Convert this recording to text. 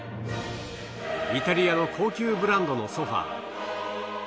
イタリアの高級ブランドのソファー。